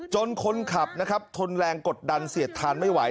คนขับนะครับทนแรงกดดันเสียดทานไม่ไหว